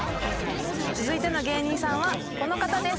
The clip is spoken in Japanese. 続いての芸人さんはこの方です。